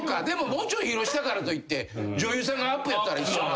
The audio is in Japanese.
もうちょい広うしたからといって女優さんがアップやったら一緒か。